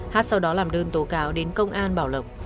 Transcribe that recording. hát sau đó làm đơn tố cáo đến công an bảo lộc